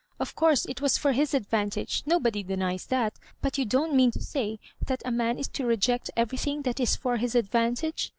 Of courae it was for his advantage — nobody denies that — but you don't mean to say that a man is to reject everything that is for his advantage?"